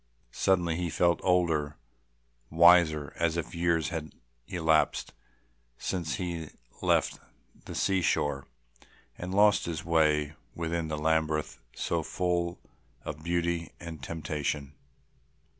Suddenly he felt older, wiser, as if years had elapsed since he left the sea shore and lost his way within this labyrinth so full of beauty and temptation.